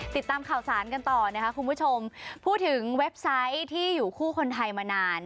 ติดตามข่าวสารกันต่อนะคะคุณผู้ชมพูดถึงเว็บไซต์ที่อยู่คู่คนไทยมานาน